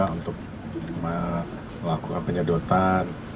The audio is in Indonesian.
untuk melakukan penyedotan